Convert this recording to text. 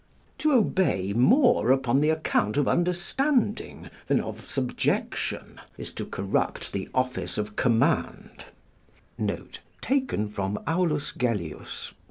To obey more upon the account of understanding than of subjection, is to corrupt the office of command [Taken from Aulus Gellius, i.